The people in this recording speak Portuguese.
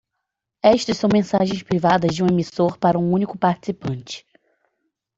Estas são mensagens privadas de um emissor para um único participante.